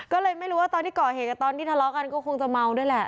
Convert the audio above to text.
ก็เลยไม่รู้ว่าตอนที่ก่อเหตุกับตอนที่ทะเลาะกันก็คงจะเมาด้วยแหละ